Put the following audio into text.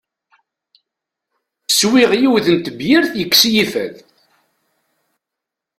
Swiɣ yiwet n tebyirt yekkes-iyi fad.